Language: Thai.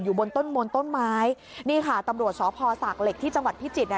บนต้นมนต้นไม้นี่ค่ะตำรวจสพสากเหล็กที่จังหวัดพิจิตรเนี่ย